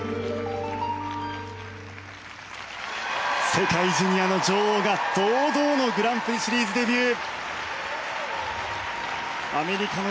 世界ジュニアの女王が堂々のグランプリシリーズデビュー。